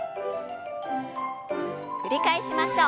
繰り返しましょう。